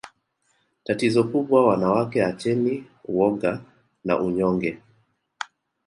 Tatizo kubwa wanawake acheni woga na unyonge